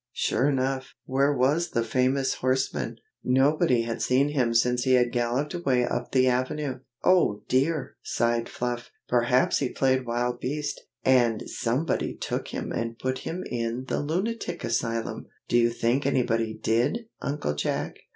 Sure enough, where was that famous horseman? nobody had seen him since he had galloped away up the avenue. "Oh, dear!" sighed Fluff, "perhaps he played wild beast, and somebody took him and put him in the Lunatic Asylum! Do you think anybody did, Uncle Jack?"